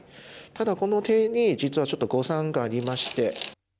ただこの手に実はちょっと誤算がありまして。